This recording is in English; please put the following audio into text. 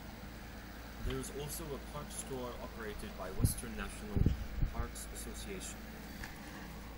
There is also a Park Store operated by Western National Parks Association.